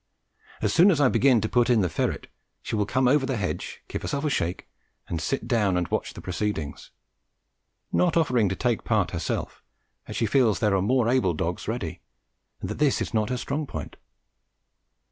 As soon as I begin to put in the ferret, she will come over the hedge, give herself a shake, and sit down and watch the proceedings, not offering to take a part herself, as she feels there are more able dogs ready, and that this is not her strong point.